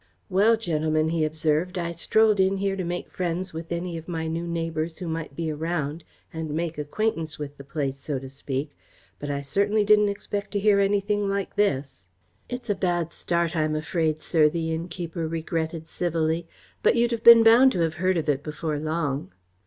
"Well, gentlemen," he observed, "I strolled in here to make friends with any of my new neighbours who might be around and make acquaintance with the place, so to speak, but I certainly didn't expect to hear anything like this." "It's a bad start, I'm afraid, sir," the innkeeper regretted civilly, "but you'd have been bound to have heard of it before long."